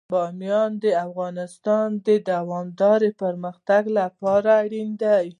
بامیان د افغانستان د دوامداره پرمختګ لپاره اړین دي.